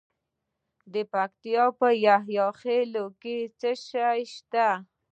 د پکتیکا په یحیی خیل کې څه شی شته؟